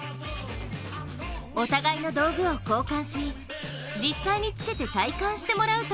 お互いの道具を交換し実際につけて体感してもらうと